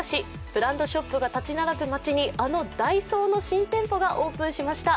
ブランドショップが立ち並ぶ街にあのダイソーの新店舗がオープンしました。